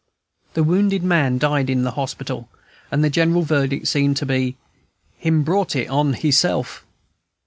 The wounded man died in the hospital, and the general verdict seemed to be, "Him brought it on heself."